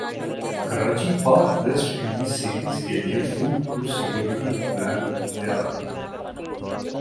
Karachi Pak West Indies series کیلئے foolproof security plan تیار